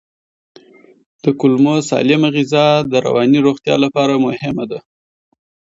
د کولمو سالمه غذا د رواني روغتیا لپاره مهمه ده.